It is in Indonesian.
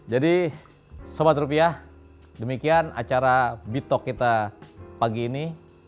jadi sobat rupiah demikian acara bitok kita pagi ini